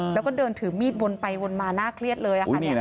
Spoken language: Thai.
แล้วก็เดินถือมีดวนไปวนมาน่าเครียดเลยค่ะ